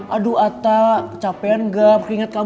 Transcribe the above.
aduh ata capean gak